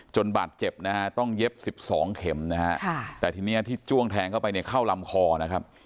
บาดเจ็บนะฮะต้องเย็บ๑๒เข็มนะฮะแต่ทีนี้ที่จ้วงแทงเข้าไปเนี่ยเข้าลำคอนะครับ